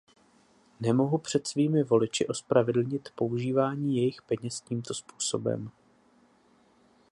Nemohu před svými voliči ospravedlnit používání jejich peněz tímto způsobem.